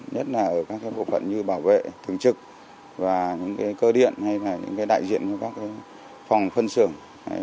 nhất là ở các bộ phận như bảo vệ thường trực và những cơ điện hay đại diện các phòng phân xưởng